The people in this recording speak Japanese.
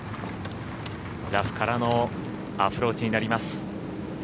ラフからのアプローチになります。